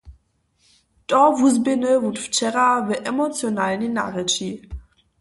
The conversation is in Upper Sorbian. To wuzběhny wón wčera w emocionalnej narěči.